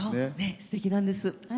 すてきなんです。